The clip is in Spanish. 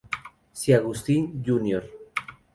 Si Agustín, Jr.